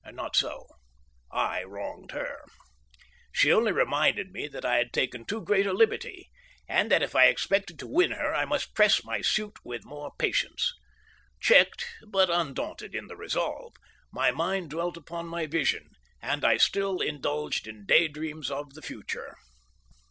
Not so. I wronged her. She only reminded me that I had taken too great a liberty, and that if I expected to win her I must press my suit with more patience. Checked, but undaunted in the resolve, my mind dwelt upon my vision, and I still indulged in day dreams of the future.